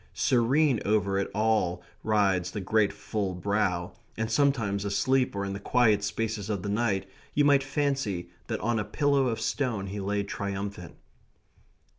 Serene over it all rides the great full brow, and sometimes asleep or in the quiet spaces of the night you might fancy that on a pillow of stone he lay triumphant.